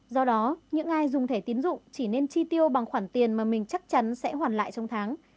do đó những ai dùng thẻ tiến dụng chỉ nên chi tiêu bằng khoản tiền mà mình chắc chắn sẽ hoàn lại trong tháng